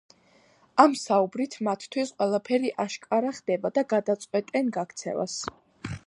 ამ საუბრით მათთვის ყველაფერი აშკარა ხდება და გადაწყვეტენ გაქცევას.